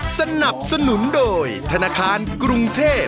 สนับสนุนโดยธนาคารกรุงเทพ